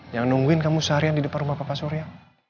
yang nungguin kamu seharian di depan rumah bapak surya